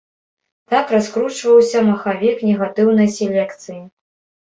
Так раскручваўся махавік негатыўнай селекцыі.